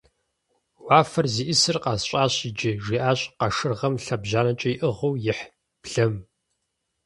- Уафэр зиӏисыр къэсщӏащ иджы, - жиӏащ къэшыргъэм лъэбжьанэкӏэ иӏыгъыу ихь блэм.